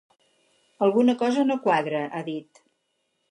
Alguna cosa no quadra, ha dit.